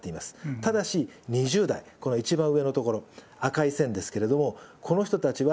ただし２０代、この一番上のところ、赤い線ですけれども、この人たちは、